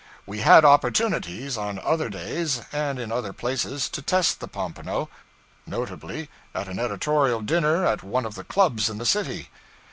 We had opportunities on other days and in other places to test the pompano. Notably, at an editorial dinner at one of the clubs in the city.